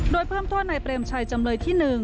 โดยเพิ่มโทษในเปรมชัยจำเลยที่๑